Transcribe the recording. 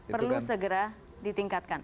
perlu segera ditingkatkan